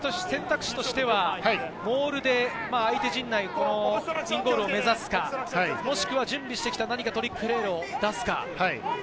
選択肢としてはモールで相手陣内、インゴールを目指すか、もしくは準備してきた何かプレーを出すか。